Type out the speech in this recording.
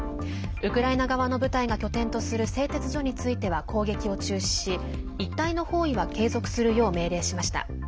ウクライナ側の部隊が拠点とする製鉄所については攻撃を中止し一帯の包囲は継続するよう命令しました。